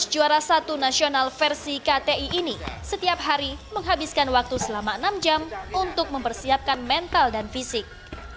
dua belas juara satu nasional versi kti ini setiap hari menghabiskan waktu selama enam jam untuk mempersiapkan mental dan fisik